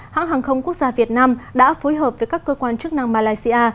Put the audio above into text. hãng hàng không quốc gia việt nam đã phối hợp với các cơ quan chức năng malaysia